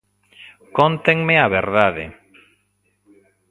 Cóntenme a verdade.